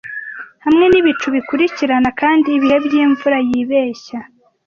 Hamwe n'ibicu bikurikirana kandi ibihe by'imvura yibeshya.